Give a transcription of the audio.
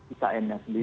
ican nya sendiri